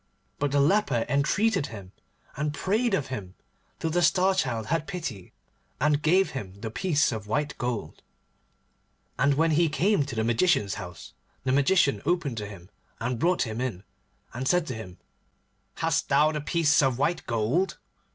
But the leper entreated him, and prayed of him, till the Star Child had pity, and gave him the piece of white gold. And when he came to the Magician's house, the Magician opened to him, and brought him in, and said to him, 'Hast thou the piece of white gold?